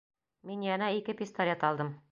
Мин йәнә ике пистолет алдым.